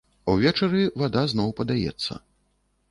Увечары вада зноў падаецца.